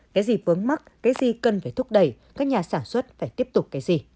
cái gì vướng mắc cái gì cần phải thúc đẩy các nhà sản xuất phải tiếp tục cái gì